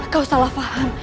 kau salah faham